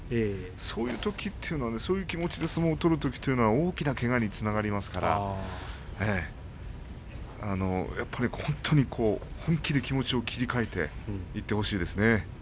そういうときはそういう気持ちで相撲を取ると大きなけがにつながりますからやっぱり本当に本気で気持ちを切り替えていってほしいですね。